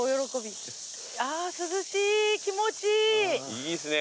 いいっすね